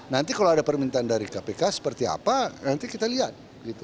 nanti kalau ada permintaan dari kpk seperti apa nanti kita lihat